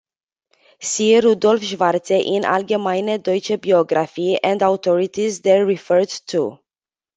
See Rudolf Schwarze in "Allgemeine Deutsche Biographie" and authorities there referred to.